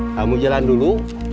kamu jalan dulu